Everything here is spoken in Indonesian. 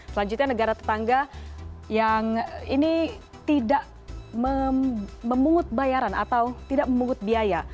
selanjutnya negara tetangga yang ini tidak memungut bayaran atau tidak memungut biaya